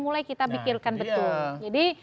mulai kita pikirkan betul jadi